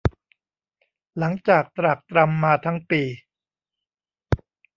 หลังจากตรากตรำมาทั้งปี